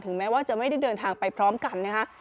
แม้ว่าจะไม่ได้เดินทางไปพร้อมกันนะคะ